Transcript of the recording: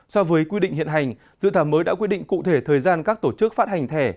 so với quy định hiện hành dự thảo mới đã quy định cụ thể thời gian các tổ chức phát hành thẻ